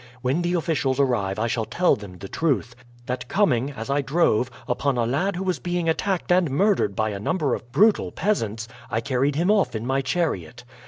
When the officials arrive I shall tell them the truth that coming, as I drove, upon a lad who was being attacked and murdered by a number of brutal peasants, I carried him off in my chariot.